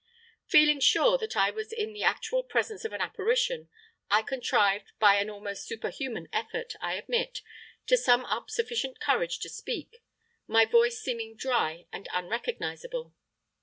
"Feeling sure that I was in the actual presence of an apparition, I contrived, by an almost superhuman effort, I admit, to sum up sufficient courage to speak my voice seeming dry and unrecognisable.